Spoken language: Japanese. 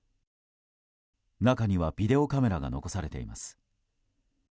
中にはビデオカメラが残されています。